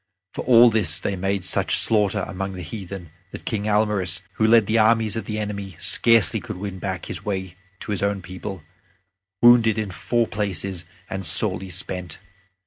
For all this they made such slaughter among the heathen that King Almaris, who led the armies of the enemy, scarcely could win back his way to his own people, wounded in four places and sorely spent.